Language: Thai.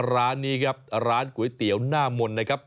ร้านนี้ครับร้านก๋วยเตี๋ยวหน้ามนต์นะครับ